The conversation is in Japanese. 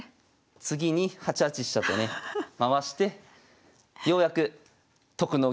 次に８八飛車とね回してようやく「特濃！